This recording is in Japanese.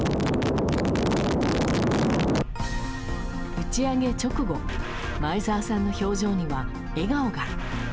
打ち上げ直後前澤さんの表情には笑顔が。